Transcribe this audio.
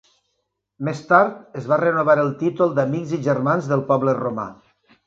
Més tard es va renovar el títol d'amics i germans del poble romà.